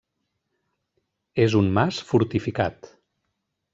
És un mas fortificat.